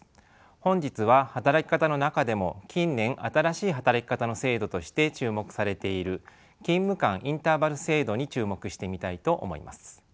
本日は働き方の中でも近年新しい働き方の制度として注目されている勤務間インターバル制度に注目してみたいと思います。